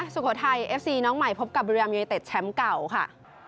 สุโขทัยเอฟซีน้องใหม่พบกับบริรามยูเนเต็ดแชมป์เก่าค่ะ